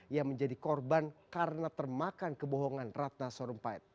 yang menjadi korban karena termakan kebohongan ratna sarumpait